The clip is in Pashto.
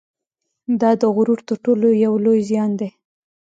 دا د غرور تر ټولو یو لوی زیان دی